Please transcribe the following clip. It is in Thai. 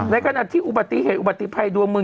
ขณะที่อุบัติเหตุอุบัติภัยดวงเมือง